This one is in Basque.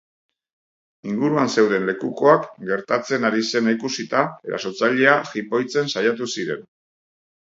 Inguruan zeuden lekukoak, gertatzen ari zena ikusita, erasotzailea jipoitzen saiatu ziren.